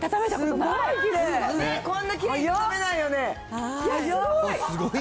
すごいな。